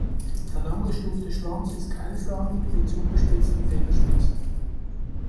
Der lang gestufte Schwanz ist keilförmig mit zugespitzten Federspitzen.